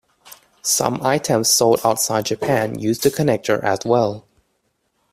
Some items sold outside Japan use the connector as well.